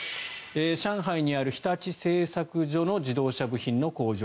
上海にある日立製作所の自動車部品の工場